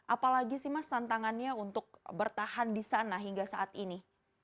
apalagi sih mas tantangannya untuk bertahan di sana hingga saat ini